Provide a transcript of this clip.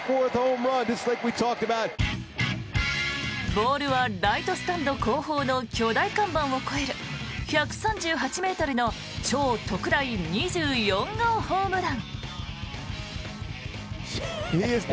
ボールはライトスタンド後方の巨大看板を越える１３８ｍの超特大２４号ホームラン。